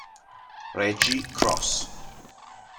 Reggie Cross